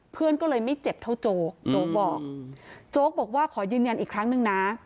เพื่อนก็เลยไม่เจ็บเท่าโจ๊กโจ๊กบอกโจ๊กบอกว่าขอยืนยันอีกครั้งนึงนะ